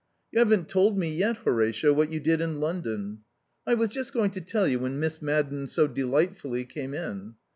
"You haven't told me yet, Horatio, what you did in London." "I was just going to tell you when Miss Madden so delightfully came in."